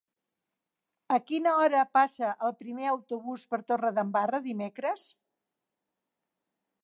A quina hora passa el primer autobús per Torredembarra dimecres?